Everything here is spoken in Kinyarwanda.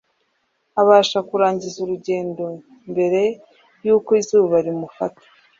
abasha kurangiza urugendo mbere yuko izuba rimufata